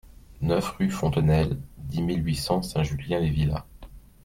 neuf rue Fontenelle, dix mille huit cents Saint-Julien-les-Villas